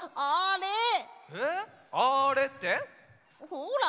ほら！